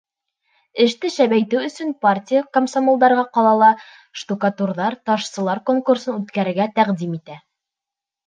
Эште шәбәйтеү өсөн партия комсомолдарға ҡалала штукатурҙар, ташсылар конкурсын үткәрергә тәҡдим итә.